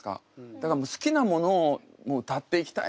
だから好きなものを歌っていきたいって。